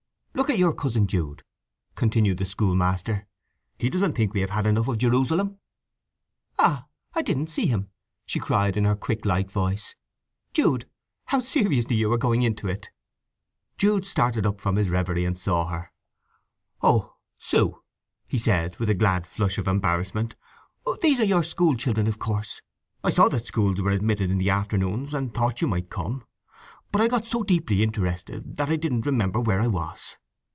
"Look at your cousin Jude," continued the schoolmaster. "He doesn't think we have had enough of Jerusalem!" "Ah—I didn't see him!" she cried in her quick, light voice. "Jude—how seriously you are going into it!" Jude started up from his reverie, and saw her. "Oh—Sue!" he said, with a glad flush of embarrassment. "These are your school children, of course! I saw that schools were admitted in the afternoons, and thought you might come; but I got so deeply interested that I didn't remember where I was.